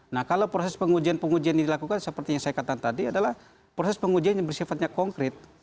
nah kalau proses pengujian pengujian yang dilakukan seperti yang saya katakan tadi adalah proses pengujian yang bersifatnya konkret